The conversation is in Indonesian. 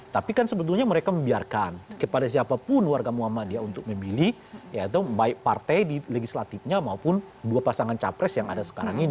tapi kan sebetulnya mereka membiarkan kepada siapapun warga muhammadiyah untuk memilih baik partai di legislatifnya maupun dua pasangan capres yang ada sekarang ini